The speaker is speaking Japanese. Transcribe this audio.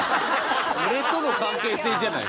俺との関係性じゃない？